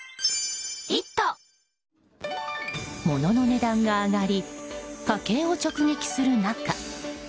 物の値段が上がり家計を直撃する中